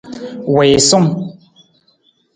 Wiisung.